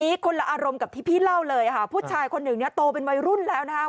อันนี้คนละอารมณ์กับที่พี่เล่าเลยผู้ชายคนหนึ่งโตเป็นวัยรุ่นแล้วนะครับ